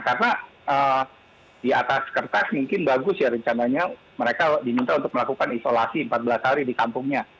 karena di atas kertas mungkin bagus ya rencananya mereka diminta untuk melakukan isolasi empat belas hari di kampungnya